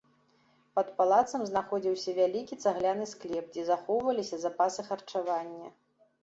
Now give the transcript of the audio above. Пад палацам знаходзіўся вялікі цагляны склеп, дзе захоўваліся запасы харчавання.